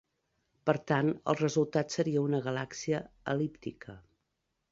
Per tant, el resultat seria una galàxia el·líptica.